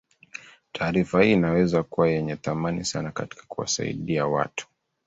Taarifa hii inaweza kuwa yenye thamani sana katika kuwasaidia watu